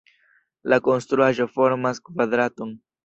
La konstruaĵo formas kvadraton.